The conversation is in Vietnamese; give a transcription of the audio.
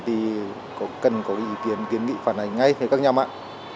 thì cần có ý kiến kiến nghị phản hành ngay cho các nhà mạng